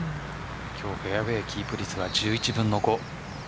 今日フェアウエーキープ率は１１分の５。